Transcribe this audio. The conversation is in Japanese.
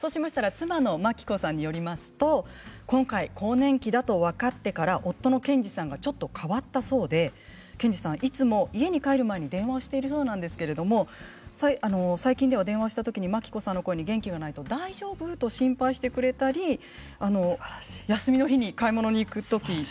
妻の真樹子さんによりますと今回、更年期だと分かってから夫の謙治さんはちょっと変わったそうで謙治さん、いつも家に帰る前に電話をしているそうなんですが最近では電話をしたときに真樹子さんの声に元気がないと大丈夫？と心配してくれたり休みの日に買い物に行くとき